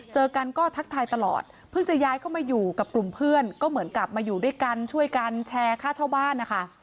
เจอกันก็ทักทายตลอดเพิ่งจะย้ายเข้ามาอยู่กับกลุ่มเพื่อนก็เหมือนกลับมาอยู่ด้วยกันช่วยกันแชร์ค่าเช่าบ้านนะคะ